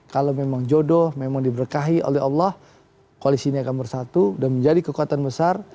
kalau memang jodoh memang diberkahi oleh allah koalisi ini akan bersatu dan menjadi kekuatan besar